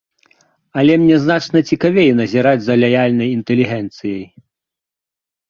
Але мне значна цікавей назіраць за лаяльнай інтэлігенцыяй.